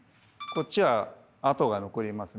こっちは跡が残りますね。